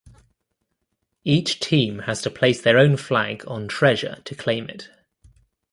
Each team has to place their own flag on treasure to claim it.